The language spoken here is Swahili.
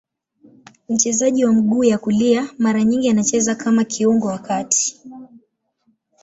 Mchezaji wa mguu ya kulia, mara nyingi anacheza kama kiungo wa kati.